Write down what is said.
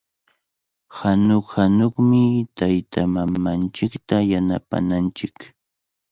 Hunaq-hunaqmi taytamamanchikta yanapananchik.